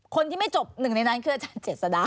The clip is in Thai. คนที่ไม่จบหนึ่งในนั้นคืออาจารย์เจษฎา